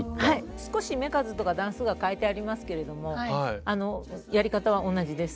少し目数とか段数が変えてありますけれどもやり方は同じです。